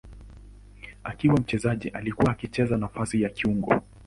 Akiwa mchezaji alikuwa akicheza nafasi ya kiungo.